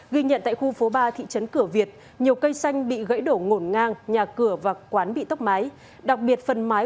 ghi nhận tại khu phố ba thị trấn cửa việt nhiều cây xanh bị gãy đổ ngổn ngang nhà cửa và quán bị tốc mái